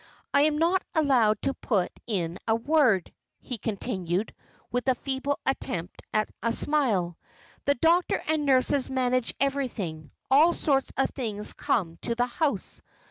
I am not allowed to put in a word," he continued, with a feeble attempt at a smile. "The doctor and nurses manage everything; all sorts of things come to the house.